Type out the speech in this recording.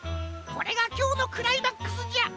これがきょうのクライマックスじゃ！